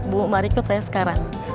bu mari ikut saya sekarang